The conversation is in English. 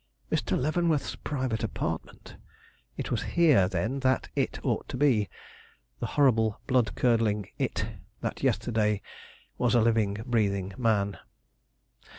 Mr. Leavenworth's private apartment! It was here then that it ought to be, the horrible, blood curdling it that yesterday was a living, breathing man.